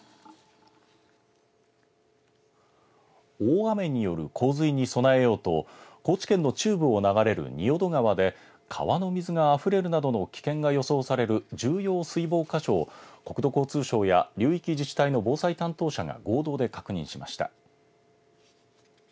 大雨による洪水に備えようと高知県の中部を流れる仁淀川で川の水があふれるなどの危険が予想される重要水防箇所を高知国土交通省や流域自治体の防災担当者が合同で確認しました。